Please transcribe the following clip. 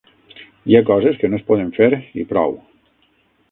Hi ha coses que no es poden fer i prou!